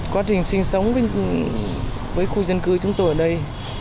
quá trình sinh sống với khu dân cư chúng tôi ở đây